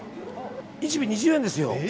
１尾２０円ですよ。